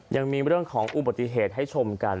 ยังมีเรื่องของอุบัติเหตุให้ชมกัน